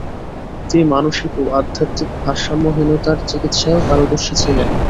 তিনি মানসিক ও আধ্যাত্মিক ভারসাম্যহীনতার চিকিৎসায়ও পারদর্শী ছিলেন।